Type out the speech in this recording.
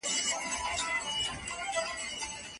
ایا اقتصادي خوځښت د پرمختګ نښه ده؟